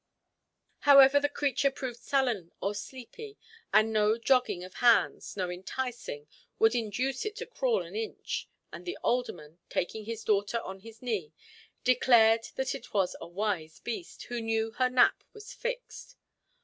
However, the creature proved sullen or sleepy, and no jogging of hands, no enticing, would induce it to crawl an inch, and the alderman, taking his daughter on his knee, declared that it was a wise beast, who knew her hap was fixed.